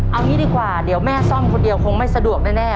เอางี้ดีกว่าเดี๋ยวแม่ซ่อมคนเดียวคงไม่สะดวกแน่